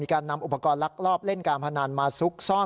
การนำอุปกรณ์ลักลอบเล่นการพนันมาซุกซ่อน